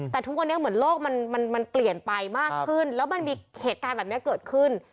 แต่ทุกวันนี้เหมือนโลกมันเปลี่ยนไปมากขึ้นแล้วมันมีเหตุการณ์แบบนี้เกิดขึ้น